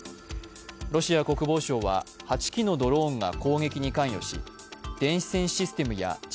ロシア防衛省は８機のドローンが攻撃に関与し、電子戦システムや地